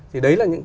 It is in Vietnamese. thì đấy là những